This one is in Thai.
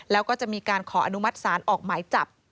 แล้วก็จะมีการขออนุมัติศาลออกหมายจับ